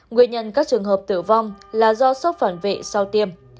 nguyên nhân các trường hợp tử vong là do sốc phản vệ sau tiêm